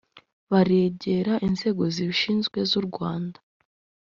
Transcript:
baregera inzego zibishinzwe z’ u Rwanda